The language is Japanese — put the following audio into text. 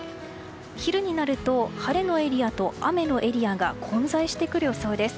昼になると晴れのエリアと雨のエリアが混在してくる予想です。